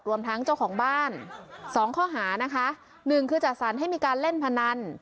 รวมทั้งเจ้าของบ้านสองข้อหานะคะหนึ่งคือจัดสรรให้มีการเล่นพนัน